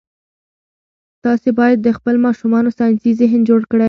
تاسي باید د خپلو ماشومانو ساینسي ذهن جوړ کړئ.